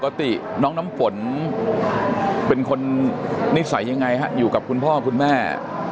ปกติน้องน้ำฝนเป็นคนนิสัยยังไงฮะอยู่กับคุณพ่อคุณแม่